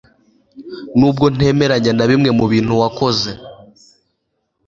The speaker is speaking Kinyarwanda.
nubwo ntemeranya na bimwe mu bintu wakoze